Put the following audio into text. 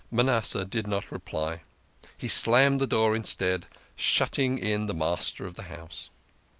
Manasseh did not reply; he slammed the door instead, shutting in the master of the house.